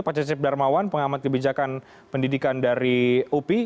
pak cecep darmawan pengamat kebijakan pendidikan dari upi